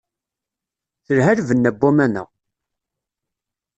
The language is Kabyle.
Telha lbenna n waman-a.